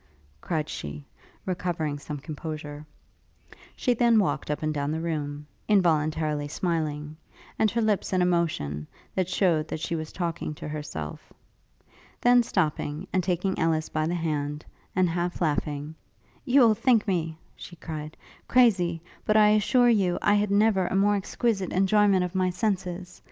cried she, recovering some composure. She then walked up and down the room, involuntarily smiling, and her lips in a motion, that shewed that she was talking to herself. Then stopping, and taking Ellis by the hand, and half laughing, 'You will think me,' she cried, 'crazy; but I assure you I had never a more exquisite enjoyment of my senses.